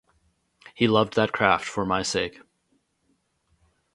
He loved that craft for my sake.